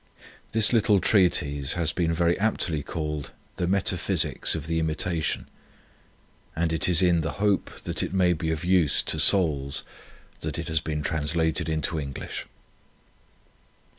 This little treatise has been very aptly called the " Metaphysics of the Imitation," and it is in the 6 Preface hope that it may be of use to souls that it has been translated into English.